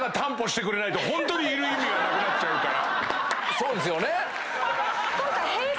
そうですよね。